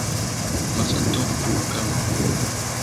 Masato Furukawa